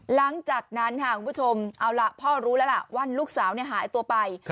หลังจากนั้นคุณผู้ชมพ่อรู้แล้วว่าลูกสาวหายตัวไป